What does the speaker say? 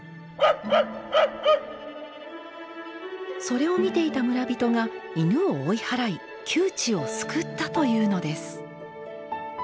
それを見ていた村人が犬を追い払い窮地を救ったというのです。